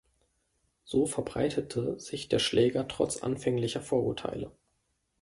So verbreitete sich der Schläger trotz anfänglicher Vorurteile.